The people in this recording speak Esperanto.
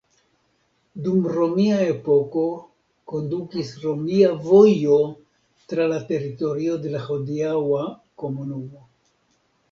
Dum romia epoko kondukis romia vojo tra la teritorio de la hodiaŭa komunumo.